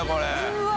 うわ！